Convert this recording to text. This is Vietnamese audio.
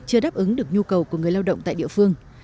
chưa đáp ứng được nhu cầu của người lao động tại địa phương